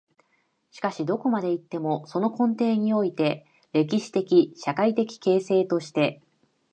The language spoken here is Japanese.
しかしどこまで行っても、その根底において、歴史的・社会的形成として、